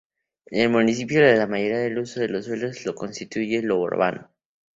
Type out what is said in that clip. En el municipio la mayoría del uso de los suelos, lo constituye lo urbano.